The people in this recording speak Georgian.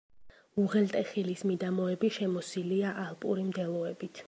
უღელტეხილის მიდამოები შემოსილია ალპური მდელოებით.